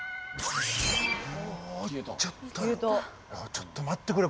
ちょっと待ってくれ。